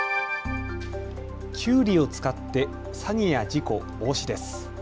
きゅうりを使って詐欺や事故防止です。